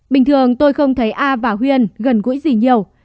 bình thường tôi không thấy a và huyên gần gũi gì nhiều